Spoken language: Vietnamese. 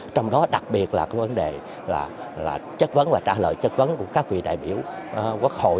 trong đó đặc biệt là vấn đề là trách vấn và trả lời trách vấn của các vị đại biểu quốc hội